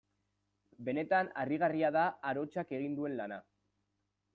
Benetan harrigarria da arotzak egin duen lana.